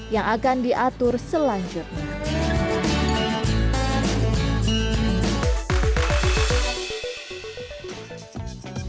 yang akan diatur selanjutnya